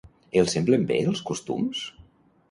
Els semblen bé els costums?